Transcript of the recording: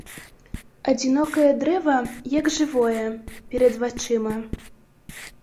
Адзінокае дрэва, як жывое, перад вачыма.